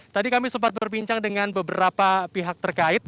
tadi kami sempat berbincang dengan beberapa pihak terkait